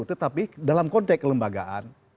tetapi dalam konteks kelembagaan